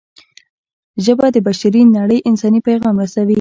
ژبه د بشري نړۍ انساني پیغام رسوي